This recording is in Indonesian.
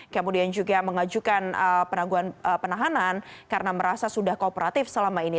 kemudian juga mengajukan penangguhan penahanan karena merasa sudah kooperatif selama ini